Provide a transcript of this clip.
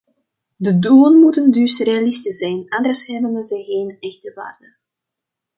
De doelen moeten dus realistisch zijn, anders hebben ze geen echte waarde.